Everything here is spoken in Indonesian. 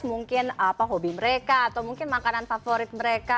mungkin hobi mereka atau mungkin makanan favorit mereka